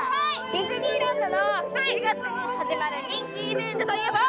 ディズニーランドの４月に始まる人気イベントといえば？